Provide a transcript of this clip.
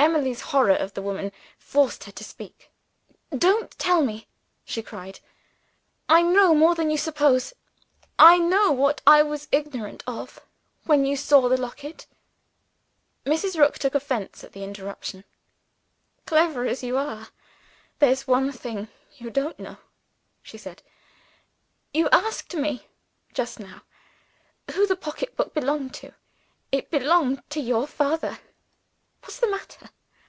Emily's horror of the woman forced her to speak. "Don't tell me!" she cried. "I know more than you suppose; I know what I was ignorant of when you saw the locket." Mrs. Rook took offense at the interruption. "Clever as you are, there's one thing you don't know," she said. "You asked me, just now, who the pocketbook belonged to. It belonged to your father. What's the matter?